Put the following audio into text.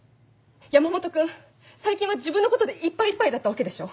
山本君最近は自分のことでいっぱいいっぱいだったわけでしょ？